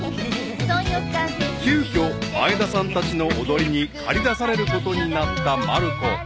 ［急きょ前田さんたちの踊りに駆り出されることになったまる子］